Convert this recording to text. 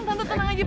tante tenang aja